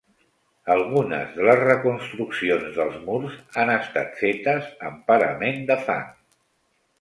Algunes de les reconstruccions dels murs han estat fetes amb parament de fang.